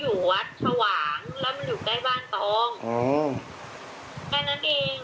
อยู่วัดสหว่างแล้วอยู่ใกล้บ้านตอง